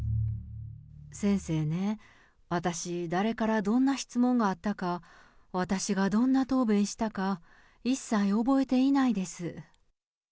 先生ね、私、誰からどんな質問があったか、私がどんな答弁したか、一切覚えていないです。